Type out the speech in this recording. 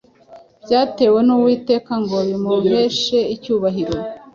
byatewe n’Uwiteka ngo bimuheshe icyubahiro.”